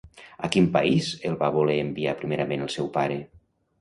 A quin país el va voler enviar primerament el seu pare?